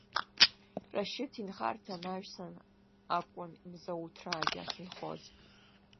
Рашьыҭ инхарҭа анаҩсан акәын Мзауҭраагьы ахьынхоз.